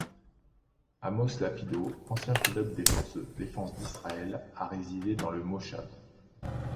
Amos Lapidot, ancien pilote des Forces de défense d'Israël, a résidé dans le moshav.